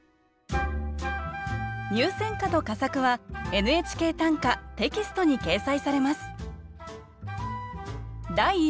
入選歌と佳作は「ＮＨＫ短歌」テキストに掲載されます。